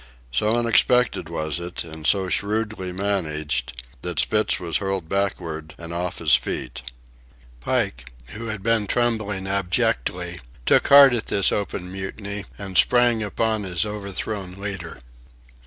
So unexpected was it, and so shrewdly managed, that Spitz was hurled backward and off his feet. Pike, who had been trembling abjectly, took heart at this open mutiny, and sprang upon his overthrown leader.